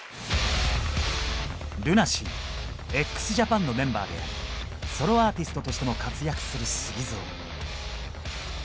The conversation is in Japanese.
ＬＵＮＡＳＥＡＸＪＡＰＡＮのメンバーでありソロアーティストとしても活躍するＳＵＧＩＺＯ